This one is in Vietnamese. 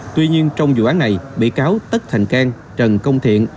tuy nhiên trong vụ án này bị cáo tất thành cang trần công thiện